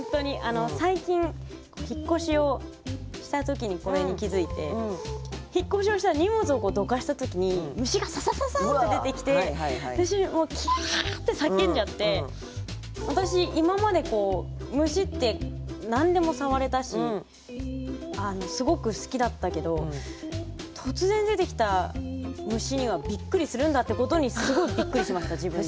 最近引っ越しをした時にこれに気付いて引っ越しをしたら荷物をどかした時に虫がササササッて出てきて私もう「キャーッ！」って叫んじゃって私今まで虫って何でも触れたしすごく好きだったけど突然出てきた虫にはびっくりするんだってことにすごいびっくりしました自分で。